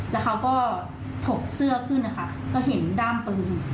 แล้วเขาก็ถกเสื้อขึ้นนะคะก็เห็นด้ามปืน